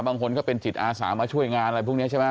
บางคนก็เป็นจิตอาสามาช่วยงานอะไรพวกนี้ใช่ไหม